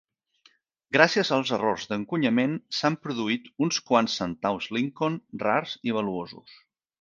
Gràcies als errors d'encunyament, s'han produït uns quants centaus Lincoln rars i valuosos.